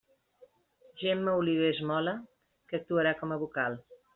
Gemma Olivés Mola, que actuarà com a vocal.